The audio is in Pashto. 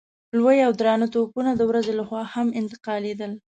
لوی او درانه توپونه د ورځې له خوا هم انتقالېدل.